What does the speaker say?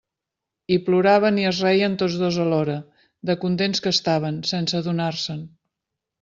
I ploraven i es reien tots dos alhora, de contents que estaven, sense adonar-se'n.